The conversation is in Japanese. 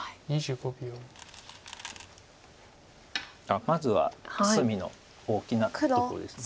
あっまずは隅の大きなところです。